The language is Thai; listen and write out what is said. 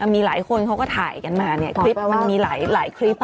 มีหลายคนเขาก็ถ่ายกันมาเนี่ยคลิปมันมีหลายคลิป